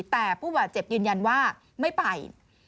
แต่ผู้บาดเจ็บยืนยันว่าไม่ไป